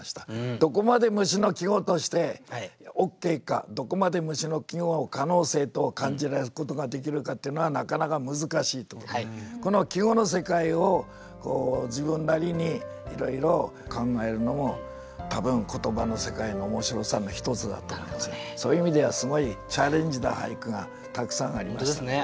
どこまで「虫」の季語としてＯＫかどこまで「虫」の季語を可能性と感じられることができるかっていうのはなかなか難しいところでこの季語の世界を自分なりにいろいろ考えるのも多分そういう意味ではすごいチャレンジな俳句がたくさんありましたのでね